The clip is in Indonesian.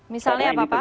misalnya apa pak